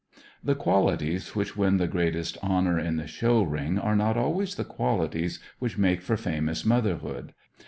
The qualities which win the greatest honour in the show ring are not always the qualities which make for famous motherhood.